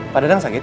pak dadang sakit